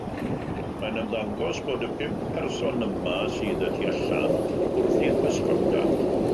Mae'n ymddangos bod y pum person yma sydd y tu allan wrthi'n pysgota.